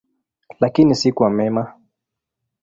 Lakini si kwa mema.